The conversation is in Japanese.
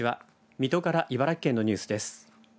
水戸から茨城県のニュースです。